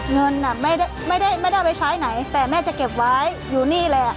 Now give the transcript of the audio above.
เงินไม่ได้ไม่ได้เอาไปใช้ไหนแต่แม่จะเก็บไว้อยู่นี่แหละ